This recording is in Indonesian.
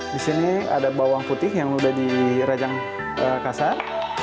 di sini ada bawang putih yang sudah dirajang kasar